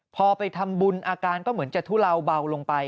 พอไปทำบุญอาการก็เหมือนจะทุเลาเบาลงไป